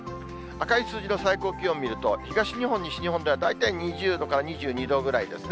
赤い数字の最高気温見ると、東日本、西日本では大体２０度から２２度ぐらいですね。